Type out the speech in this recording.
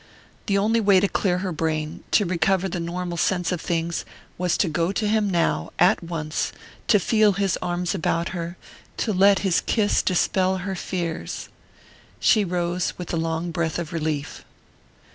The only way to clear her brain, to recover the normal sense of things, was to go to him now, at once, to feel his arms about her, to let his kiss dispel her fears.... She rose with a long breath of relief.